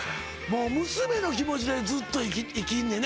もう娘の気持ちでずっと生きんねな